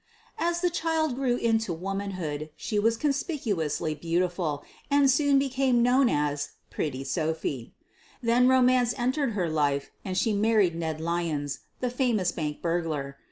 As the child grew into womanhood she was con spicuously beautiful, and soon became known as '* Pretty Sophie." Then romance entered her life and she married Ned Lyons, the famous bank burg lar.